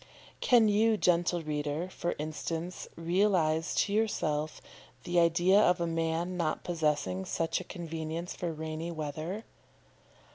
Can you, gentle reader, for instance, realise to yourself the idea of a man not possessing such a convenience for rainy weather?